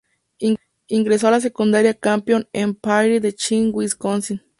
Ingresó a la Secundaria Campion en Prairie du Chien, Wisconsin.